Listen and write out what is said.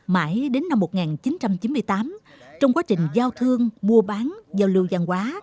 mãi đến năm một nghìn chín trăm chín mươi tám trong quá trình giao thương mua bán giao lưu văn hóa